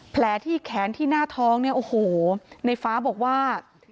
แผลที่แขนที่หน้าท้องเนี่ยโอ้โหในฟ้าบอกว่า